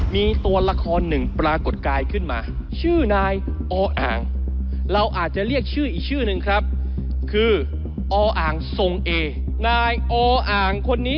มีตัวละครหนึ่งปรากฏกายขึ้นมาชื่อนายออ่างเราอาจจะเรียกชื่ออีกชื่อหนึ่งครับคือออ่างทรงเอนายออ่างคนนี้